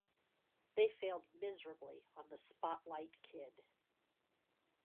They failed miserably on The Spotlight Kid.